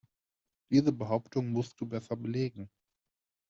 Diese Behauptung musst du besser belegen.